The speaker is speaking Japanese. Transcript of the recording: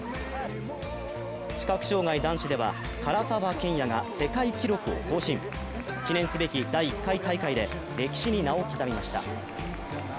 視覚障害・男子では唐澤剣也が世界記録を更新、記念すべき第１回大会で歴史に名を刻みました。